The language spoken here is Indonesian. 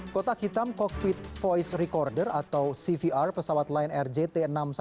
kotak hitam cockpit voice recorder atau cvr pesawat lain rjt enam ratus sepuluh